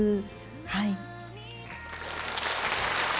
はい。